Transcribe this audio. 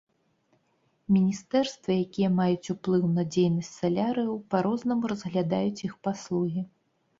Міністэрствы, якія маюць уплыў на дзейнасць салярыяў па-рознаму разглядаюць іх паслугі.